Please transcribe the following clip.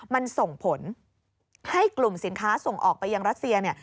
มันส่งผลให้กลุ่มสินค้าส่งออกไปยังรัสเซียเนี่ย